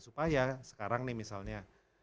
supaya sekarang nih misalnya